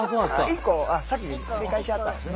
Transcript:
１個あっ先に正解しはったんですね。